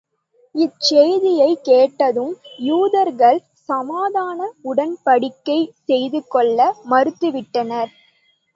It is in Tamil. இச்செய்தியைக் கேட்டதும் யூதர்கள் சமாதான உடன்படிக்கை செய்துகொள்ள மறுத்துவிட்டனர்.